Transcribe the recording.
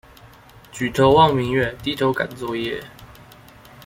舉頭望明月，低頭趕作業